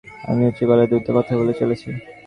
আমি উঁচু গলায় দ্রুত কথা বলে চলেছি।